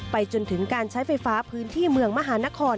จนถึงการใช้ไฟฟ้าพื้นที่เมืองมหานคร